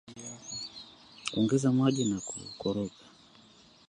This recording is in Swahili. ongeza maji na kukoroga